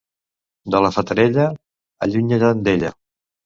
De la Fatarella, allunya-te'n d'ella.